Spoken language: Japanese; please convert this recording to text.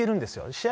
試合